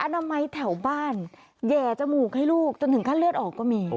นามัยแถวบ้านแห่จมูกให้ลูกจนถึงขั้นเลือดออกก็มี